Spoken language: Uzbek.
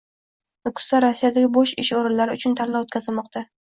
Nukusda Rossiyadagi bo‘sh ish o‘rinlari uchun tanlov o‘tkazilmoqdang